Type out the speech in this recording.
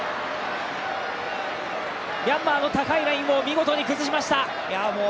ミャンマーの高いラインを見事に崩しました。